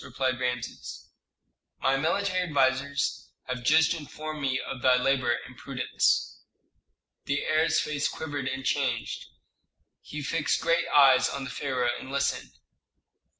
replied Rameses. "My military advisers have just informed me of thy labor and prudence." The heir's face quivered and changed. He fixed great eyes on the pharaoh and listened.